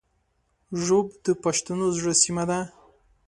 ږوب د پښتنو زړه سیمه ده